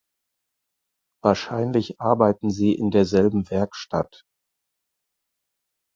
Wahrscheinlich arbeiteten sie in derselben Werkstatt.